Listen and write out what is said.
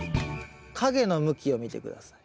影の向きを見て下さい。